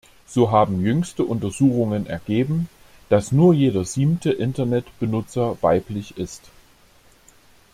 So haben jüngste Untersuchungen ergeben, dass nur jeder siebte Internetbenutzer weiblich ist.